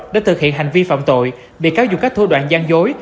đã thực hiện hành vi phạm tội bị cáo dụng các thua đoạn gian dối